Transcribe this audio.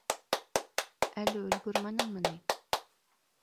— Әле өлгөрмәнеңме ни?